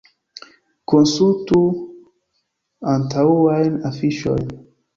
Konsultu antaŭajn afiŝojn.